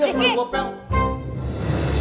laki laki yang berpikir pikir